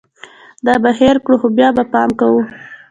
دا به هېر کړو ، خو بیا به پام کوو